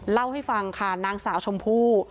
เล่าให้ฟังค่ะนางสาวชมพู่